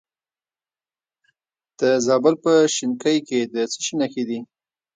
د زابل په شنکۍ کې د څه شي نښې دي؟